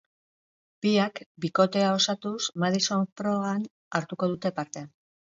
Biak bikotea osatuz madison proban hartuko dute parte.